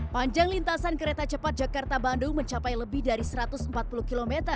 panjang lintasan kereta cepat jakarta bandung mencapai lebih dari satu ratus empat puluh km